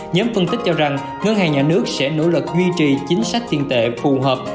nhóm phân tích cho rằng ngân hàng nhà nước sẽ nỗ lực duy trì chính sách tiền tệ phù hợp